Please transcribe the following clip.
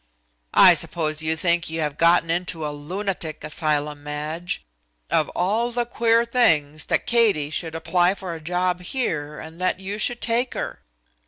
"I suppose you think you have gotten into a lunatic asylum, Madge. Of all the queer things that Katie should apply for a job here and that you should take her."